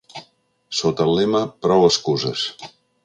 Sota el lema Prou excuses.